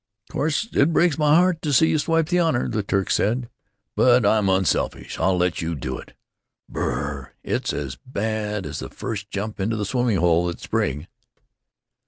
"Course it breaks my heart to see you swipe the honor," the Turk said, "but I'm unselfish. I'll let you do it. Brrrr! It's as bad as the first jump into the swimming hole in spring."